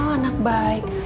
oh anak baik